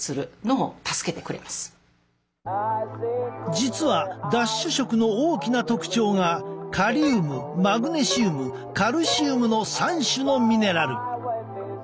実はダッシュ食の大きな特徴がカリウムマグネシウムカルシウムの３種のミネラル。